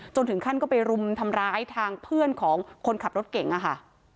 ถึงขั้นก็ไปรุมทำร้ายทางเพื่อนของคนขับรถเก่งอะค่ะ